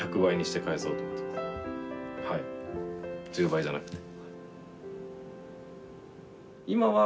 １０倍じゃなくて。